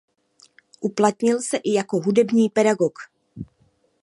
Uplatnil se i jako hudební pedagog.